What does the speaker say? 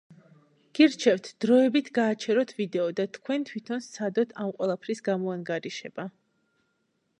გირჩევთ, დროებით გააჩერეთ ვიდეო და თქვენ თვითონ სცადოთ ამ ყველაფრის გამოანგარიშება.